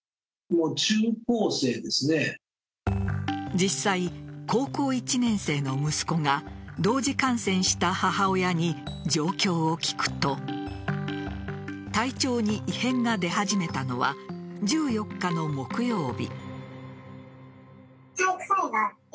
実際、高校１年生の息子が同時感染した母親に状況を聞くと体調に異変が出始めたのは１４日の木曜日。